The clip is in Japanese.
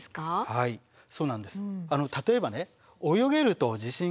はいそうなんです。